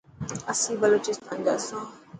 اسين بلوچستان جا سان.